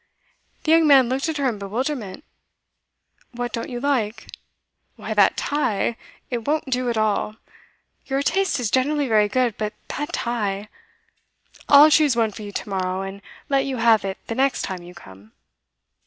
The young man looked at her in bewilderment. 'What don't you like?' 'Why, that tie. It won't do at all. Your taste is generally very good, but that tie! I'll choose one for you to morrow, and let you have it the next time you come.